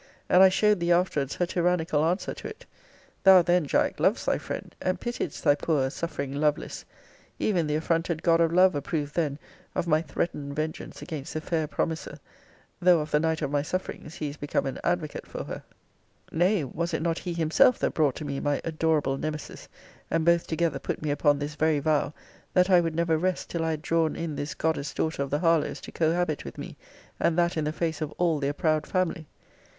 * And I showed thee afterwards her tyrannical answer to it. Thou, then, Jack, lovedst thy friend; and pitiedst thy poor suffering Lovelace. Even the affronted God of Love approved then of my threatened vengeance against the fair promiser; though of the night of my sufferings, he is become an advocate for her. * See Vol. II. Letter XX. Ibid. Nay, was it not he himself that brought to me my adorable Nemesis; and both together put me upon this very vow, 'That I would never rest till I had drawn in this goddess daughter of the Harlowes to cohabit with me; and that in the face of all their proud family?'